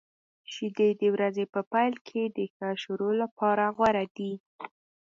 شیدې د ورځې په پیل کې د ښه شروع لپاره غوره دي.